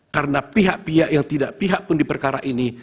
karena pihak pihak yang tidak pihak pun di perkara ini